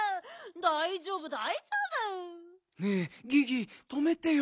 だいじょうぶだいじょうぶ！ねえギギとめてよ。